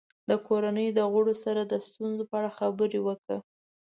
د کورنۍ د غړو سره د ستونزو په اړه خبرې وکړه.